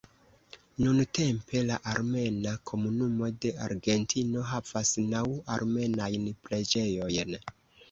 Nuntempe la armena komunumo de Argentino havas naŭ armenajn preĝejojn.